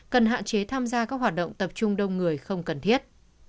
cần hạn chế tham gia các hoạt động tập trung đông người không cần thiết